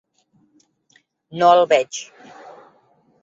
No el veig.